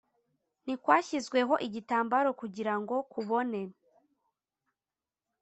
ntikwashyizweho igitambaro kugira ngo kubone